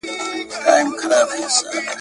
ښکاري زرکه `